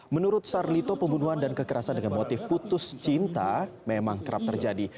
menurut sarlito pembunuhan dan kekerasan dengan motif putus cinta memang kerap terjadi